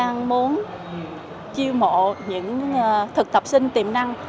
chúng tôi mong muốn chiêu mộ những thực tập sinh tiềm năng